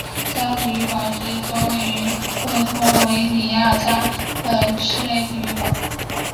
里加体育馆是一座位于拉脱维亚里加的室内体育馆。